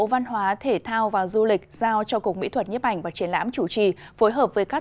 bộ văn hóa thể thao và du lịch giao cho cục mỹ thuật nhếp ảnh và triển lãm chủ trì phối hợp với các